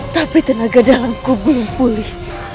tapi tenaga dalamku belum pulih